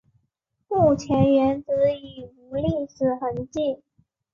目前原址已无历史痕迹。